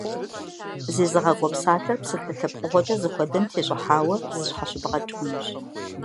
Зезыгъакӏуэ псалъэр псалъэ лъэпкъыгъуэкӏэ зыхуэдэм тещӏыхьауэ зыщхьэщыбгъэкӏ хъунущ.